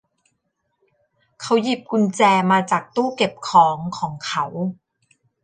เขาหยิบกุญแจมาจากตู้เก็บของของเขา